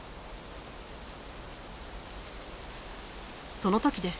その時です。